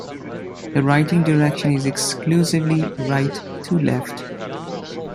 The writing direction is exclusively right-to-left.